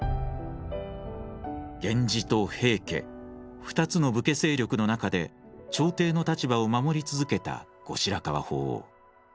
源氏と平家２つの武家勢力の中で朝廷の立場を守り続けた後白河法皇。